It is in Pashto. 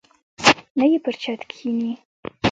نه یې پر چت کښیني.